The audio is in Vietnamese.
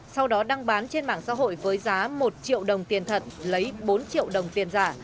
sau đó đăng bán trên mạng xã hội với giá một triệu đồng tiền thật lấy bốn triệu đồng tiền giả